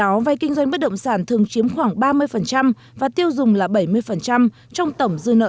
tổng vay kinh doanh bất động sản thường chiếm khoảng ba mươi và tiêu dùng là bảy mươi trong tổng dư nợ